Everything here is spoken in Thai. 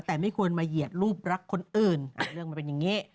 แต่ไม่ควรมาเหยียดรูปรักคนอื่นเรื่องมันเป็นอย่างนี้